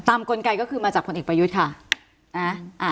กลไกก็คือมาจากผลเอกประยุทธ์ค่ะ